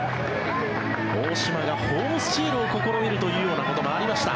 大島がホームスチールを試みということもありました。